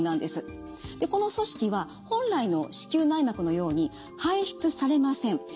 でこの組織は本来の子宮内膜のように排出されません。